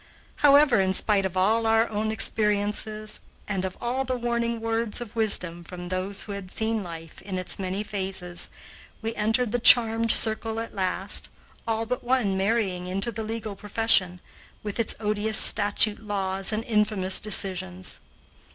However, in spite of all our own experiences and of all the warning words of wisdom from those who had seen life in its many phases, we entered the charmed circle at last, all but one marrying into the legal profession, with its odious statute laws and infamous decisions.